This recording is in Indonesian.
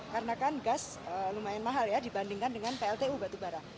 karena kan gas lumayan mahal ya dibandingkan dengan pltu batubara